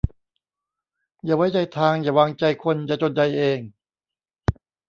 อย่าไว้ใจทาง อย่าวางใจคน จะจนใจเอง